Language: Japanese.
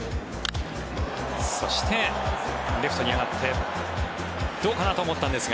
そして、レフトに上がってどうかなと思ったんですが。